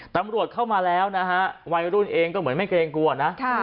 ตำรวจเข้ามาแล้วนะฮะวัยรุ่นเองก็เหมือนไม่เกรงกลัวนะ